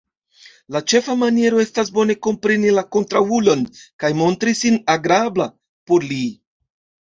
La ĉefa maniero estas bone kompreni la kontraŭulon kaj montri sin agrabla por li.